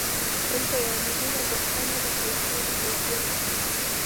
دلته یوه مهمه پوښتنه د پیسو د توپیر ده